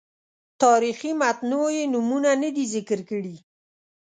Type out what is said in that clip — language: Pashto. تاریخي متونو یې نومونه نه دي ذکر کړي.